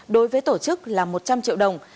đối với tổ chức là một trăm linh triệu đồng